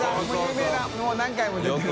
召もう何回も出てる。